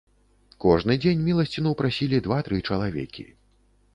Кожны дзень міласціну прасілі два-тры чалавекі.